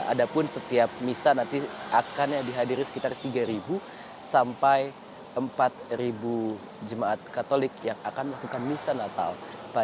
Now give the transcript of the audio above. ada pun setiap misah nanti akan dihadiri sekitar tiga sampai empat jemaat katolik yang akan lalu